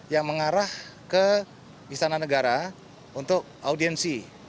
yang mengarah ke istana negara untuk audiensi